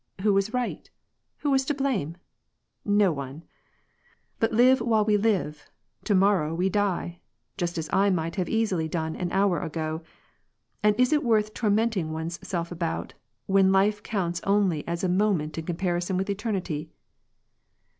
Who was right ? who was to blame ? No one ! But live while we live : to morrow we die, just as I might easily have died an hour ago. And is it worth torment ing one's self about, when life counts only as a moment in comparison with eternity